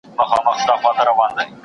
¬ لېوه هغه مېږه خوري چي د رمې څخه جلا وي.